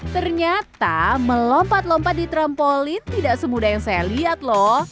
ternyata melompat lompat di trampolin tidak semudah yang saya lihat loh